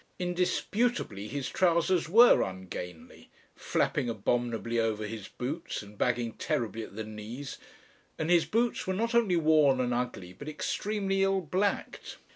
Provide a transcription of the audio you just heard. Indisputably his trousers were ungainly, flapping abominably over his boots and bagging terribly at the knees, and his boots were not only worn and ugly but extremely ill blacked.